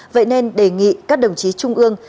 vậy nên đề nghị các đồng chí trung ương